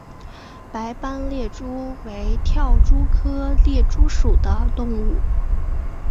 白斑猎蛛为跳蛛科猎蛛属的动物。